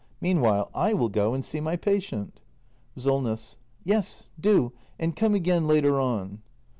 Meanwhile I will go and see my patient. SOLNESS. Yes, do; and come again later on.